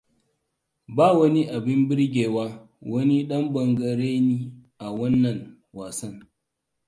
Ba wani abin burgewa. Wani ɗan ɓangarene a wannan wasan.